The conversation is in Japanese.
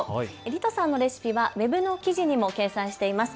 リトさんのレシピはウェブの記事にも掲載しています。